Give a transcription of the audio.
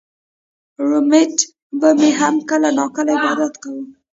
رومېټ به مې هم کله نا کله عبادت کوو